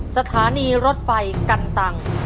สถานีรถไฟกันตัง